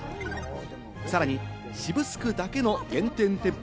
さらに渋スクだけの限定店舗